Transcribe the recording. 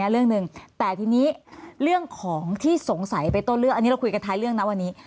เรื่องของที่สงสัยไปต้นเรื่องอันนี้เราคุยกันท้ายเรื่องนะวันนี้